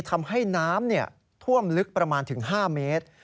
ทำให้น้ำท่วมลึกประมาณถึง๕เมตร